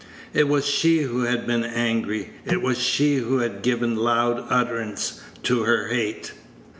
It was she who had been angry; it was she who had given loud utterance to her hate.